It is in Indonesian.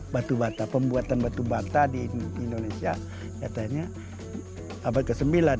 batu bata pembuatan batu bata di indonesia katanya abad ke sembilan